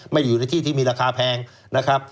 ไม่ได้อยู่ในที่ที่มีราคาแพงนะครับ